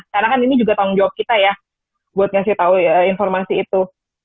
karena kan ini juga tanggung jawab kita ya buat ngasih tahu informasi itu